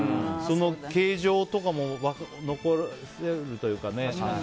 形状とかも残らせるというかね。